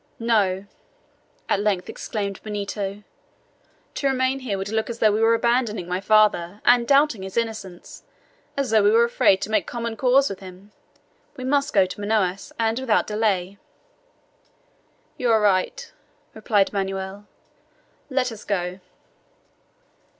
"No!" at length exclaimed Benito; "to remain here would look as though we were abandoning my father and doubting his innocence as though we were afraid to make common cause with him. We must go to Manaos, and without delay." "You are right," replied Manoel. "Let us go."